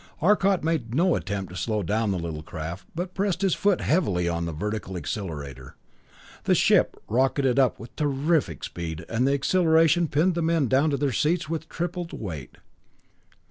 Arcot made no attempt to slow down the little craft, but pressed his foot heavily on the vertical accelerator. The ship rocketed up with terrific speed, and the acceleration pinned the men down to their seats with tripled weight.